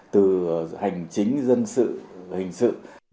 từ hành chính dân sự hình sự